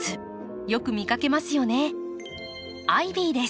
よく見かけますよね。